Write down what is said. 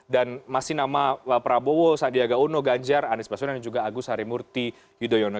dan masih nama prabowo sadiaga uno ganjar anies baswedan dan juga agus harimurti yudhoyono